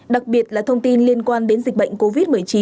đặc biệt là thông tin liên quan đến dịch bệnh covid một mươi chín